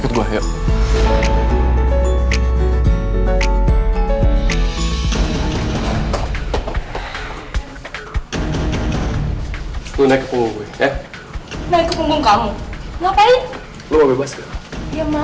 kita mau ngeliat dua